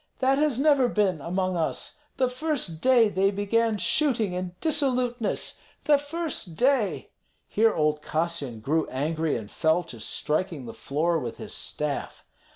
That has never been among us! The first day they began shooting and dissoluteness, the first day!" Here old Kassyan grew angry, and fell to striking the floor with his staff.